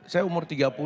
saya umur tiga puluh